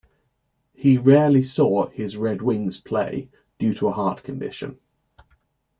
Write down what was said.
He rarely saw his Red Wings play due to a heart condition.